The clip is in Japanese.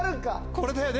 これだよね